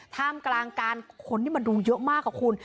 ท่ามกลางการคนที่มาดูเยอะมากค่ะคุณ